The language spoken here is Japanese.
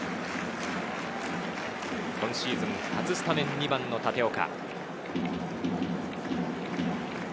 今シーズン初スタメン、２番の立岡。